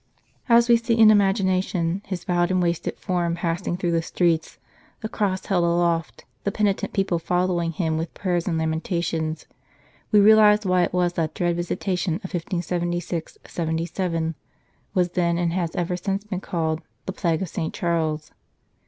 As we see in imagination his bowed and wasted form passing through the streets, the cross held aloft, the penitent people following him with prayers and lamentations, we realize why it was that the dread visitation of 1576 77 was then and has ever since been called "The Plague of St. Charles."